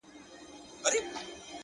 هره تجربه د فکر نوی اړخ جوړوي،